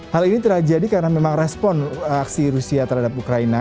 hal ini terjadi karena memang respon aksi rusia terhadap ukraina